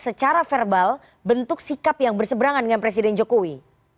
secara verbal bentuk sikap yang berseberangan dengan presiden jokowi